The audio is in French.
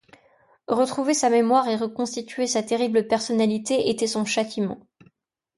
Retrouver sa mémoire et reconstituer sa terrible personnalité était son châtiment.